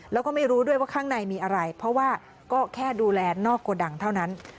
แล้วก็ไม่รู้ด้วยว่าข้างในมีอะไรเพราะว่าก็แค่ดูแลนอกโกดังเท่านั้น